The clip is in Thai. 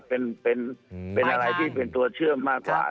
เป็นอะไรที่เป็นตัวเชื่อมมากกว่า